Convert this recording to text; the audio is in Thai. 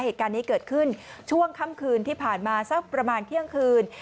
เหตุการณ์นี้เกิดขึ้นช่วงค่ำคืนที่ผ่านมาสักประมาณเที่ยงคืน